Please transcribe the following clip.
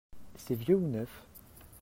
C'est vieux ou neuf ?